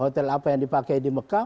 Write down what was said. hotel apa yang dipakai di mekah